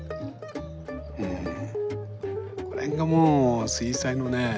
この辺がもう水彩のね